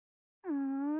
うん？